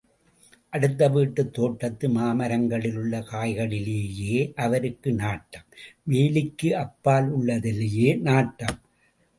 அடுத்த வீட்டுத் தோட்டத்து மாமரங்களிலுள்ள காய்களிலேயே அவருக்கு நாட்டம், வேலிக்கு அப்பாலுள்ளதிலேயே நாட்டம்.